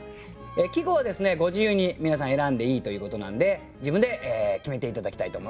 季語はですねご自由に皆さん選んでいいということなんで自分で決めて頂きたいと思います。